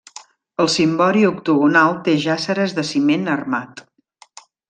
El cimbori octogonal té jàsseres de ciment armat.